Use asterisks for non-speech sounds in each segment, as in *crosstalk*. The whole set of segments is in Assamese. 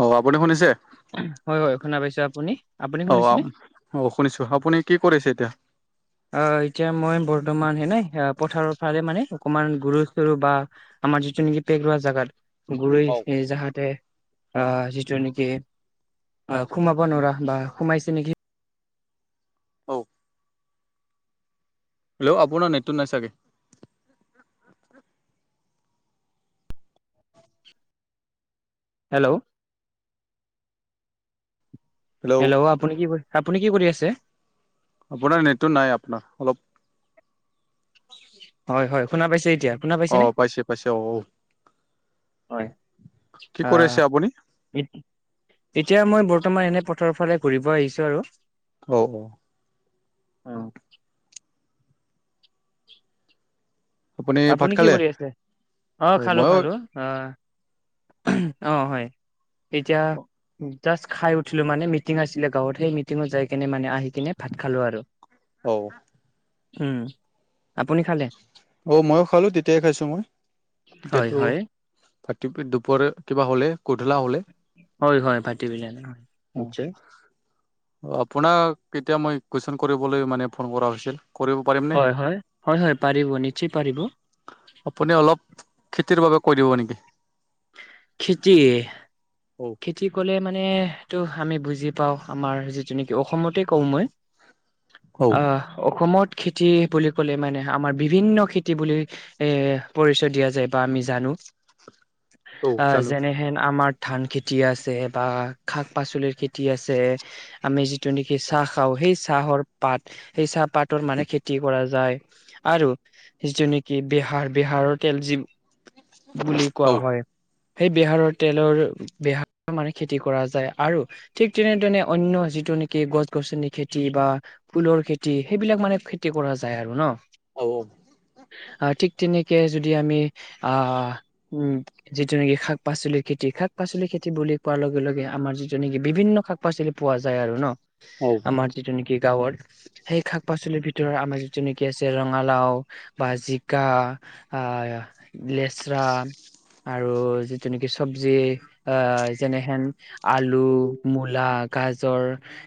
অ আপুনি শুনিছে? হয় হয় শুনা পাইছে আপুনি? আপুনি অ শুনিছেনে 'অ 'শুনিছো, আপুনি কি কৰিছে এতিয়া? অ এতিয়া মই বৰ্তমান হেনে, পথাৰৰ ফালে মানে অকমান গুৰু চৰু বা আমাৰ যিটো নেকি পেগৰুৱা জোগাত, গৰৈ অ যাহাতে। আ যিটো নেকি, আ সোমাব নোৱাৰা বা সোমাইছে নেকি। ঔ। হেল্ল'আপোনাৰ নেটটো নাই চাগে। হেল্ল'? হেল্ল' আপুনি কি কৰি, আপুনি কি কৰি আছে? আপোনাৰ নেটটো নাই, আপোনাৰ অলপ। হয়, হয়, শুনা পাইছে? এতিয়া শুনা পাইছে অ নে? পাইছে অ হয় কি আ কৰিছে আপুনি এতিয়া মই বৰ্তমান এনে পথাৰৰ ফালে ঘূৰিব আহিছো আৰু অও। উম। ভাত আপুনি কি খালে কৰি আছে? অ', খালোঁ খালোঁ। অ', অ', হয়, এতিয়া জাষ্ট খাই উঠিলো, মানে মিটিং আছিলে গাঁৱত, সেই মিটিঙত যাই কেনে মানে আহি কিনে ভাত খালোঁ আৰু, অ উম, আপুনি খালে? অ', ময়ো খালোঁ, তেতিয়াই খাইছোঁ মই, হয়, এতিয়াতো হয়, দুপৰ কিবা হ'লে, গধূলা হ'লে হয় হয়, *unintelligible* অ নিশ্চয়। আপোনাক এতিয়া মই কোৱেশ্যন কৰিবলৈ মানে ফোন কৰা হৈছিল, কৰিব পাৰিমনে হয় হয়, হয় হয় পাৰিব, নিশ্চয় পাৰিব। আপুনি অলপ খেতিৰ বাবে কৈ দিব নেকি? খেতি অ'। খেতি ক'লে মানেটো আমি বুজি পাওঁ, আমাৰ যিটো নেকি অসমতেই কওঁ মই। অ আহ, অসমত খেতি বুলি ক'লে মানে, আমাৰ বিভিন্ন খেতি বুলি এ পৰিচয় দিয়া যায় বা আমি জানো। অ', যেনেহেন আমাৰ ধান খে তি আছে বা শাক পাচলিৰ খেতি আছে। আমি যিটো নেকি চাহ খাওঁ, সেই চাহৰ পাত সেই চাহপাতৰ মানে খেতি কৰা যায়। আৰু যিটো নেকি বিহাৰ, বিহাৰৰ তেল যি বুলি অ কোৱা হয়, সেই বিহাৰৰ তেলৰ বেহা *unintelligible* মানে খেতি কৰা যায় আৰু ঠিক তেনেদৰে, অন্য যিটো নেকি গছ গছনি খেতি বা ফুলৰ খেতি, সেইবিলাক মানে খেতি কৰা যায় আৰু ন। অ'। আ, ঠিক তেনেকে যদি আমি আ উম, যিটো নেকি শাক পাচলিৰ খেতি, শাক পাচলি খেতি বুলি কোৱাৰ লগে লগে, আমাৰ যিটো নেকি বিভিন্ন শাক পাচলি পোৱা যায় আৰু ন। অ আমাৰ যিটো নেকি গাঁৱৰ সেই শাক পাচলিৰ ভিতৰত আমাৰ যিটো নেকি আছে, ৰঙালাও বা জিকা। *inaudible* লেচৰা আৰু যিটো নেকি চবজি, আ, যেনেহেন আলু, মূলা, গাজৰ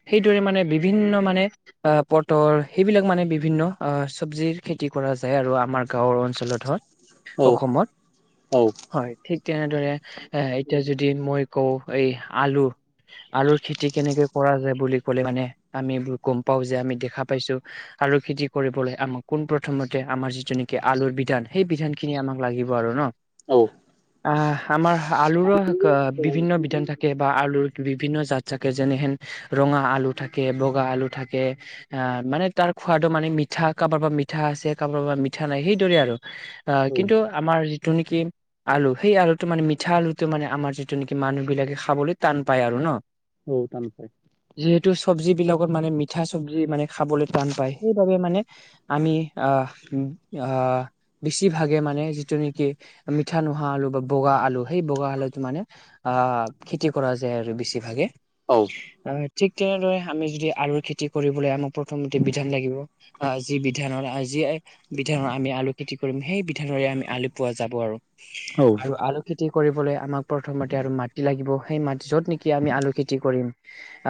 সেইদৰে মানে, বিভিন্ন মানে আ, পটল সেইবিলাক মানে বিভিন্ন আ চবজিৰ খেতি কৰা যায় আৰু আমাৰ গাঁওৰ অঞ্চলত ধৰ। অসমত, হয়, ঠিক তেনেদৰে এই এতিয়া যদি মই কওঁ, এই আলু আলুৰ খেতি কেনেকে কৰা যায় বুলি ক'লে, মানে আমি এইবোৰ গম পাওঁ, যে আমি দেখা পাইছোঁ। আলুৰ খেতি কৰিবলৈ, আমাক পোন প্ৰথমতে আমাৰ যিটো নেকি আলুৰ বিধান, সেই বিধান খিনি আমাক লাগিব আৰু ন। অ'। আহ, আমাৰ আলুৰো বিভিন্ন বিধান থাকে, বা আলুৰ বিভিন্ন জাত থাকে, যেনেহেন ৰঙা আলু থাকে, বগা আলু থাকে। আহ, মানে তাৰ খোৱাটো মানে মিঠা, কাৰোবাৰ পৰা মিঠা আছে, কাৰোবো পৰা মিঠা নাই, সেইদৰে আৰু। আ, কিন্তু আমাৰ যিটো নেকি আলু, সেই আলুটো মানে মিঠা আলুটো মানে আমাৰ যিটো নেকি মানুহ বিলাকে খাবলৈ টান পায় আৰু ন। উম, টান পায়। যিহেতু চব্জি বিলাকত মানে মিঠা চব্জি মানে খাবলৈ টান পায়, সেইবাবে মানে আমি আঁহ উম আঁহ বেছিভাগে মানে যিটো নেকি মিঠা নোহোৱা আলু বা বগা আলু সেই বগা আলু টো, মানে আঁ খেতি কৰা যায় আৰু বেছিভাগে। অও অঁ, ‌ ঠিক তেনেদৰে আমি যদি আলুৰ খেতি কৰিবলৈ আমাক প্ৰথমতে বিধান লাগিব। আঁহ যি বিধানৰ আজি এই বিধানৰ আমি আলু খেতি কৰিম, সেই বিধানৰে আমি আলু পোৱা যাব আৰু। আৰু আলু খেতি কৰিবলৈ আমাক প্ৰথমতে আৰু মাটি লাগিব, ‌ সেই মা য'ত নেকি আমি আলু খেতি কৰিম,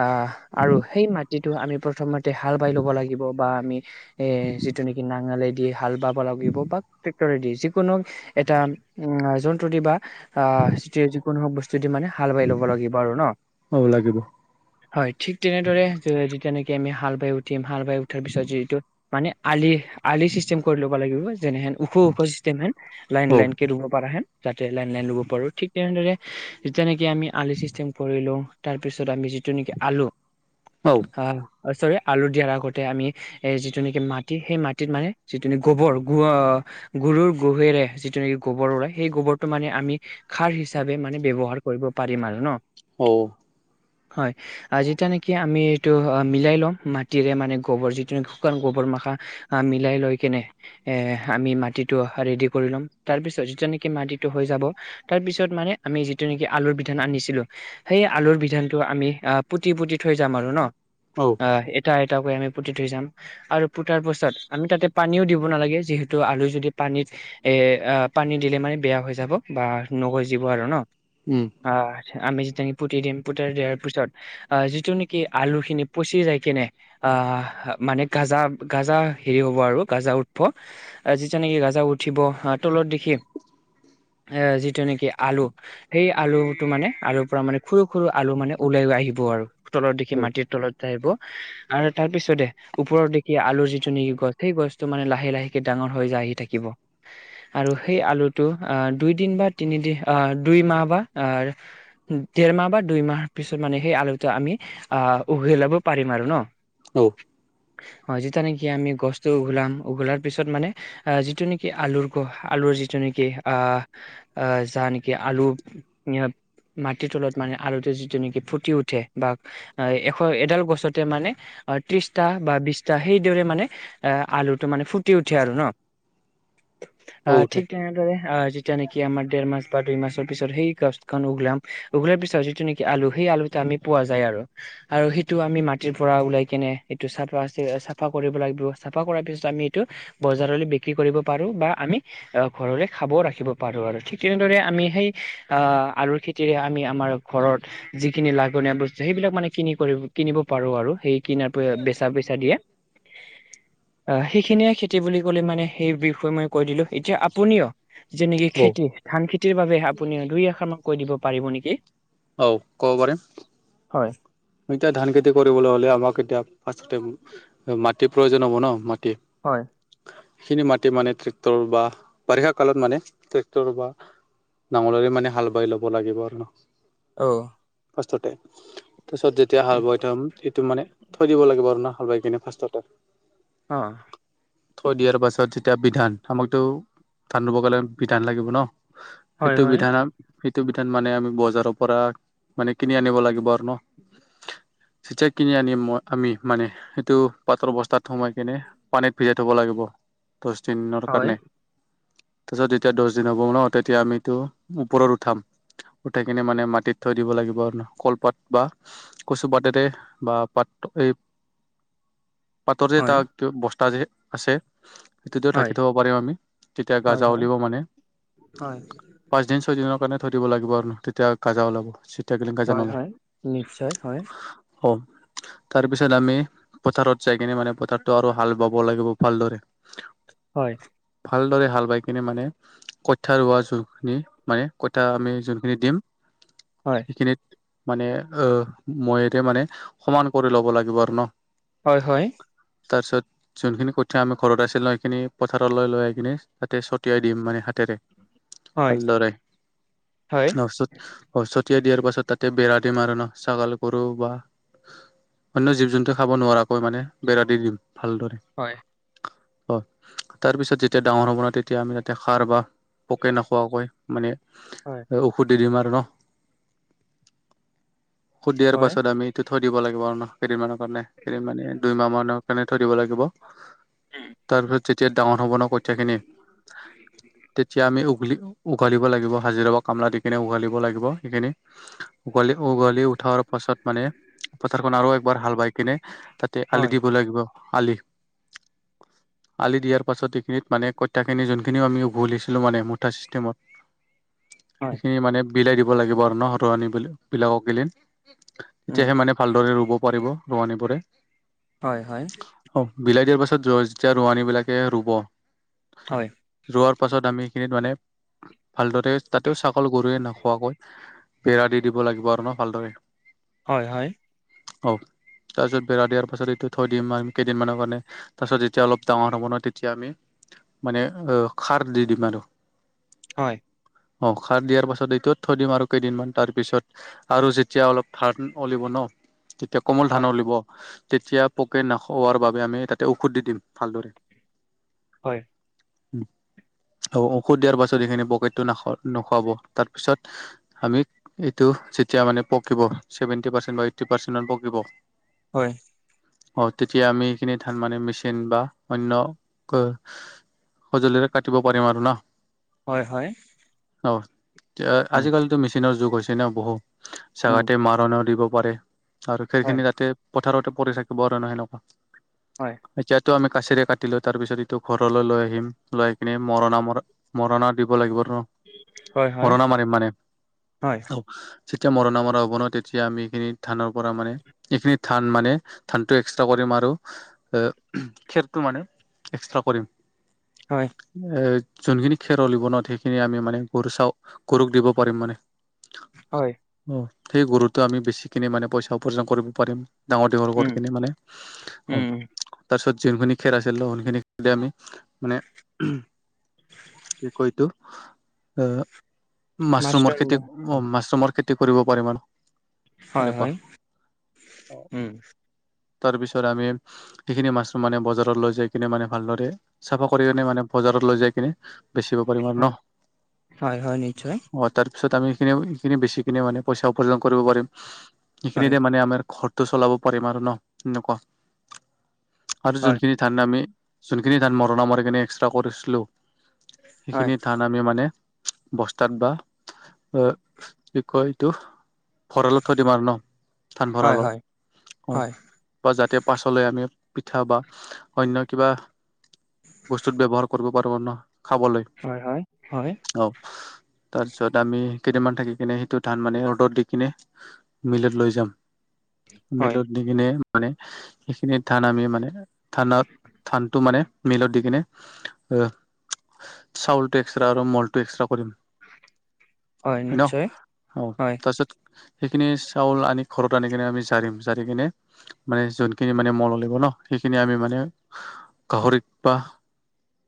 আঁহ, আৰু সেই মাটিটো আমি প্ৰথম তে হাল বাই ল'ব লাগিব, বা আমি এ যিটো নেকি নাঙলে দি হাল বাব লাগিব বা দি যিকোনো এটা জন্তু দি বা আঁ যে যিকোনো বস্তু দি মানে হাল বাই ল'ব লাগিব আৰু ন। অঁ লাগিব। হয় ঠিক তেনেদৰে তেনেকে আমি হাল বাই উঠিম হাল বাই উঠাৰ পিছত যিহটো মানে আলি আলি চিষ্টেম কৰি ল'ব লাগিব, যেনেহেন ওখ ওখ চিষ্টেম হেন। লাইন লাইনকে ৰুব‌ পৰা হেন যাতে লাইন লাইন ৰুব পাৰো ঠিক তেনেদৰে যিতিয়া নেকি আমি আলু ছিষ্টেম কৰি লওঁ তাৰপিছত আমি যিটো নেকি আলু *unintelligible* অঁ চৰি আলু দিয়াৰ আগতে আমি এ যিটো নেকি মাটি সেই মাটিত মানে যিটো নিকি গবৰ গ গৰুৰ গোহেৰে যিটো নেকি গোবৰ ওলায় সেই গোবৰটো মানে আমি খাৰ হিচাপে মানে ব্যৱহাৰ কৰিব পাৰিম আৰু ন। অও হয়। আঁহ যেতিয়া নেকি আমি এইটো মিলাই লম মাটিৰে মানে গোবৰ যিটো নেি শুকান গোবৰ মাখা। আঁহ মিলাই লৈ কেনে। এ আমি মাটিটো ৰেডি কৰি লম, তাৰ পিছত যিটো নেকি মাটিটো হৈ যাব। তাৰ পিছত মানে আমি যিটো নেকি আলুৰ বিধান আনিছিলোঁ। সেই আলুৰ বিধানটো আমি আঁ পুতি, পুতি থৈ যাম আৰু ন। অ অঁ এটা এটাকৈ আমি পুতি থৈ যাম। আৰু পোতাৰ পাছত আমি তাতে পানীও দিব নালাগে, যিহেতু আলু যদি পানীত এ পানী দিলে মানে বেয়া হৈ যাব, বা নগযিব আৰু ন। উম। আঁহ আমি যেতিয়া পুতি দিম পুতাই দিয়াৰ পিছত আঁহ যিটো নেকি আলু খিনি পচি যায় কেনে আঁহ মানে গাজা গাজা হেৰি হ'ব আৰু গাজা উঠবো। আঁহ যিটো নেকি গাজা উঠিব আঁহ তলত দেখি, এ যি তেনেকি আলু সেই আলুটো মানে আলুৰ পৰা মানে সৰু সৰু আলু মানে ওলাই আহিব আৰু। তলত দেখি মাটিৰ তলত আহিব আৰু তাৰ পিছতে ওপৰত দেখি আলুৰ যিটো নেকি গছ সেই গছটো মানে লাহে লাহেকে ডাঙৰ হৈ যাই আহি থাকিব। আৰু সেই আলুটো আঁহ দুইদিন বা তিনিদিন আঁহ দুই মাহ বা আঁ দেৰ মাহ বা দুইমাহ পিছত মানে সেই আলুটো আমি আহ, উঘলাব পাৰিম আৰু ন! অ'। হয়, যিটো নেকি আমি গছতটো উঘলাম, উঘলাৰ পিছত মানে যিটো নেকি আলুৰ ক আলুৰ যিটো নেকি আহ যা নেকি, আলু মাটিৰ তলত মানে আলুটো যিটো নেকি ফুটি উঠে বা এশ এডাল গছতে মানে- ত্ৰিশটা বা বিশটা, সেইদৰে মানে এ, আলুটো মানে ফুটি উঠে আৰু ন। *inaudible* অ, ঔ তে ঠিক তেনেদৰে, যেতিয়া নেকি কি আমাৰ দেৰ মাস বা দুই মাসৰ পিছত সেই গছখন উঘলাম, উঘলাৰ পিছত যিটো নেকি আলু, সেই আলুটো আমি পোৱা যায় আৰু। আৰু সেইটো আমি মাটিৰ পৰা ওলাই কেনে এইটো চাফা-চাফা কৰিব লাগিব, চাফা কৰাৰ পিছত আমি এইটো বজাৰলৈ বিক্ৰী কৰিব পাৰো বা আমি ঘৰলৈ খাবও ৰাখিব পাৰো আৰু ঠিক তেনেদৰে, আমি সেই আহ, আলুৰ খেতিৰে আমি আমাৰ ঘৰত যিখিনি লাঘনীয়া বস্তু, সেইবিলাক মানে কিনি-কিনিব পাৰো আৰু সেই কিনাৰ প বেচা পইচা দিয়ে। অ, সেইখিনিয়ে খেতি বুলি ক'লে মানে সেই বিষয়ে মই কৈ দিলো, এতিয়া আপুনিও যেনেকে ঔ খেতি ধান খেতিৰ বাবে আপুনি দুই-এশাৰ মান কৈ দিব পাৰিব নেকি? অ, ক'ব পাৰিম। হয় এতিয়া ধান খেতি কৰিবলৈ হ'লে আমাক এতিয়া ফ্ৰাষ্টতে মাটিৰ প্ৰয়োজন হ'ব ন, মাটি। হয়। সেই খিনি মাটি মানে ট্ৰেক্টৰ বা বাৰিষা কালত মানে ট্ৰেক্টৰ বা নাঙলেৰে মানে হাল বাই ল'ব লাগিব আৰু ন! অঁ। ফাৰ্ষ্টতে তাৰপিছত যেতিয়া হাল উম, বাই থম সেইটো মানে থৈ দিব লাগে না আৰু না হাল বাই কিনে ফাৰ্ষ্টতে। অ। থৈ দিয়াৰ পাছত যেতিয়া বিধান, আমাকতো ধান ৰুব গ'লে বিধান লাগিব ন, হয় সেইটো হয় বিধান, সেইটো বিধান মানে আমি বজাৰত পৰা মানে কিনি আনিব লাগিব আৰু ন। যেতিয়া কিনি আনিম মই, আমি মানে সেইটো পাতৰ বস্তাত সোমাই কেনে পানীত ভিজাই থ'ব লাগিব, দহ দিনৰ হয় কাৰণে। তাৰপিছত যেতিয়া দহ দিন হ'ব ন, তেতিয়া আমি এইটো ওপৰত উঠাম। উঠাই কিনে মানে মাটিত থৈ দিব লাগিব, কলপাত বা কচু পাতেৰে বা পাত এই পাতৰ যে হয় তাত বস্তা যে আছে সেইটোতে ঢাকি হয় থব পাৰিম আমি, তেতিয়া হয় গাজা হয় উলিয়াব মানে। হয় পাঁচদিন-ছয় দিনৰ কাৰণে থৈ দিব লাগিব আৰু তেতিয়া গাজা ওলাব। চিতাগিলি গাজা হয়, নোলায় হয়, নিশ্চয় হয়। অ। তাৰ পিছত আমি পথাৰত যাই কিনে মানে পথাৰটো আৰু হাল বাব লাগিব ভালদৰে। হয়। ভালদৰে হাল বাই কিনে মানে কঠিয়া ৰোৱা যোনখিনি, মানে কঠীয়া আমি যোনখিনি দিম। হয়। খিনিত মানে আহ, মই এতিয়া মানে সমান কৰি ল'ব লাগিব আৰু ন। হয় হয়। তাৰপিছত যোনখিনি কঠিয়া আমি ঘৰত আছিল নহয়, সেইখিনি পথাৰলৈ লৈ আহি কিনে, তাতে ছটিয়াই দিম মানে হাতেদি। হয় ভালদৰে, হয় তাৰপিছত অ', ছতিয়াই দিয়াৰ পাছত, তাতে বেৰা দিম আৰু ন, ছাগল গৰু বা অন্য জীৱ জন্তু খাব নোৱাৰাকৈ মানে, বেৰা দি দিম ভালদৰে। হয়। হয়, তাৰ পিছত যেতিয়া ডাঙৰ হ'ব ন, তেতিয়া আমি ইয়াতে সাৰ বা পোকে নোখোৱাকৈ মানে হয়। ঔষধ দি দিম আৰু ন, ঔষধ দিয়াৰ হয় হয় পাছত আমি টো থৈ দিব লাগিব আৰু ন, কেইদিনমানৰ কাৰণে, কেইদিন মানে দুইমাহমানৰ কাৰণে থৈ দিব লাগিব। উম, তাৰপিছত যেতিয়া ডাঙৰ হ'ব ন কঠীয়াখিনি, তেতিয়া আমি বুলি উঘালিব লাগিব, হাজিৰা বা কামলা দি কিনে উঘালিব লাগিব সেইখিনি। উঘালি, উঘালি উঠাৰ পাছত মানে, পথাৰখন আৰু একবাৰ হাল বাই কিনে তাতেই আলি হয় দিব লাগিব, আলি। আলি দিয়াৰ পাছত এইখিনিত মানে কঠিয়াখিনি যোনখিনি আমি উঘলিছিলোঁ মানে, মুঠা ছিষ্টেমত। হয় সেইখিনি মানে বিলাই দিব লাগিব আৰু ন, তাহঁতক আনি *unintelligible* উম তেতিয়াহে মানে ভালদৰে ৰুব পাৰিব, ৰোৱনিবোৰে। হয় হয়। অ', বিলাই দিয়াৰ পাছত যেতিয়া ৰোৱানী বিলাকে ৰুব হয়। যোৱাৰ পাছত আমি সিখিনিত মানে, ভালদৰে তাতেও ছাগল গৰুৱে নোখোৱাকৈ বেৰা দি দিব লাগিব আৰু ন ভালদৰে। হয় হয়। অহ, তাৰপিছত বেৰা দিয়াৰ পাছত এইটো থৈ দিম আৰু কেইদিনমানৰ কাৰণে। তাৰপাছত যেতিয়া অলপ ডাঙৰ হ' ব নহয়, তেতিয়া আমি মানে সাৰ দি দিম আৰু। হয়। অ', সাৰ দিয়াৰ পাছত এইটোত থৈ দিম আৰু কেইদিনমান, তাৰ পিছত আৰু যেতিয়া অলপ ধান ওলিব ন, তেতিয়া কোমল ধান ওলিব। তেতিয়া পোকে নাখোৱাৰ বাবে, আমি তাতে ঔষধ দি দিম ভালদৰে। হয়। ঔষধ দিয়াৰ পাছত, এইখিনি পোকেটো নাখ নোখুৱাব, তাৰ পিছত আমি এইটো যেতিয়া মানে পকিব, চেভেণ্টি পাৰ্চেণ্ট বা এইটটি পাৰ্চেট মান পকিব হয়। অ', তেতিয়া আমি এইখিনি ধান মানে মেচিন বা অন্য সঁজুলিৰে কাটিব পাৰিম আৰু ন। হয় হয়। অ', উম আজিকালিতো মেচিনৰ যুগ হৈছে ন বহু। উম জেগাতেই মাৰণাও দিব পাৰে আৰু হয় খেৰখিনি তাতে পথাৰতেই পৰি থাকিব আৰু ন সেনেকুৱা, হয় এতিয়া ইটো আমি কাচিৰে কাটিলো, তাৰ পিছত ইটো ঘৰলৈ লৈ আহিম, লৈ আহি কিনি মৰণা মৰা মৰণা দিব লাগিব আৰু *inaudible* হয় মৰনা মাৰিম মানে। হয় যেতিয়া মৰণা মৰা হ'ব ন, তেতিয়া আমি এইখিনি ধানৰ পৰা মানে, এইখিনি ধান মানে ধানটো এক্সট্ৰা কৰিম আৰু খেৰটো মানে এক্সট্ৰা কৰিম। হয়। এ, যোনখিনি খেৰ ওলাব না, সেইখিনি আমি মানে গৰু চাও, গৰুক দিব পাৰিম মানে। হয়। অ', সেই গৰুতো আমি বেছি- কিনে মানে পইচা উপাৰ্জন কৰিব পাৰিম, ডাঙৰ-দীঘল উম, কৰি কিনে মানে। অ', উম, তাৰ পিছত যোনখিনি খেৰ আছিল, সোনখিনি খেৰ আমি মানে, কি কয় এইটো? এ, মাছৰুমৰ মাছৰুম খেতি অ', মাছৰুমৰ খেতি কৰিব পাৰিম আৰু। হয়, সেনেকুৱা, হয়, উম। তাৰপিছত আমি যিখিনি মাছৰুম মানে বজাৰত লৈ যাই কিনে, মানে ভালদৰে চাফা কৰি কিনে মানে বজাৰত লৈ যাই কিনে বেচিব পাৰিম আৰু হয়, ন। হয়, হয়, নিশ্চয়। অ', তাৰ পিছত আমি সখিনি, এইখিনি বেছিকিনে মানে পইচা উপাৰ্জন কৰিব পাৰিম। হয়, সেইখিনিৰে মানে আমাৰ ঘৰটো চলাব পাৰিম আৰু ন, এনেকুৱা আৰু হয়, যোনখিনি ধান আমি, যোন খিনি ধান মৰনা মাৰি কেনে এক্সষ্ট্ৰা কৰিছোলো, হয়, সিখিনি ধান আমি মানে বস্তাত বা এ কি কয় এইটো ভঁৰালত থৈ দিম আৰু ন, ধান হয়, হয়, ভঁৰালত। হয়, বা যাতে পাছলৈ আমি, পিঠা বা অন্য কিবা বস্তুত ব্যৱহাৰ কৰিব পাৰোঁ ন, খাবলৈ। হয়, হয়, হয়। অ', তাৰপিছত আমি কেই দিনমান থাকি কিনে, সেইটো ধান মানে ৰ'দত দি কিনে মিলত লৈ যাম, হয়, মিলত নি কিনে মানে সেইখিনিত ধান আমি মানে ধানত, ধানটো মানে মিলত দি কিনে, আহ চাউলটো এক্সষ্ট্ৰা আৰু মলটো এক্সষ্ট্ৰা কৰিম। হয়, হয় ন, নিশ্চয় অ, হয়, তাছত সেইখিনি চাউল আনি ঘৰত আনি কিনে আমি জাৰিম, জাৰি কিনে মানে যোনখিনি মানে মল লাগিব ন, সেইখিনি আমি মানে গাহৰিত বা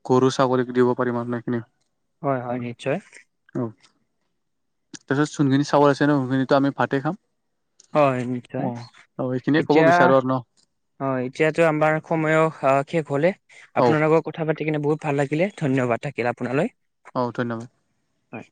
গৰু- ছাগলীক দিব পাৰিম না এইখিনি। হয়, হয়, নিশ্চয়। অ', তাৰপিছত চোনখিনি চাউল আছে ন, সেইখিনিতো আমি ভাতে খাম। হয়, নিশ্চয় অ', অ', সেইখিনিয়ে ক'ব এতিয়া বিচাৰো আৰু ন। হয়, এতিয়াতো আমাৰ সময়ও শেষ হ'লে, অ আপোনাৰ কথা পাতি কিনে বহুত ভাল লাগিলে, ধন্যবাদ থাকিল আপোনালৈ। অ', ধন্যবাদ। হয়।